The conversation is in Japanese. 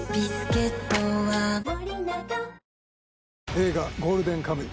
映画、ゴールデンカムイ。